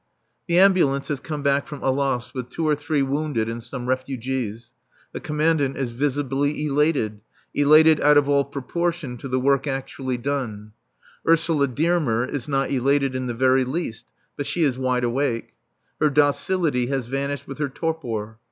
The ambulance has come back from Alost with two or three wounded and some refugees. The Commandant is visibly elated, elated out of all proportion to the work actually done. Ursula Dearmer is not elated in the very least, but she is wide awake. Her docility has vanished with her torpor.